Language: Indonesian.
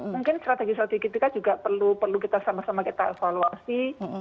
mungkin strategi strategi kita juga perlu kita sama sama kita evaluasi